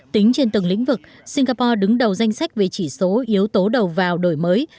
tính trên từng lĩnh vực singapore đứng đầu danh sách về chỉ số yếu tố đầu vào đổi mới